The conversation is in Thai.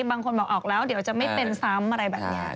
บางคนบอกออกแล้วเดี๋ยวจะไม่เป็นซ้ำอะไรแบบนี้